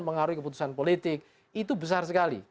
mengaruhi keputusan politik itu besar sekali